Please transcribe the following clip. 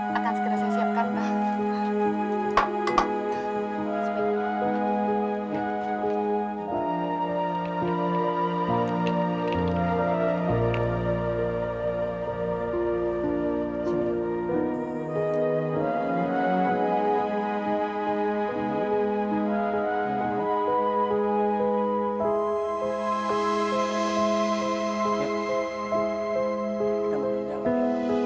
baik akan segera saya siapkan pak